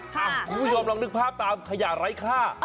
คุณผู้ชมลองนึกภาพตามขยะไร้ค่า